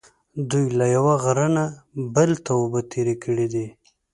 دوی له یوه غره نه بل ته اوبه تېرې کړې دي.